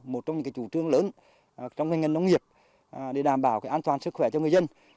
một trong những chủ trương lớn trong ngành nông nghiệp để đảm bảo an toàn sức khỏe cho người dân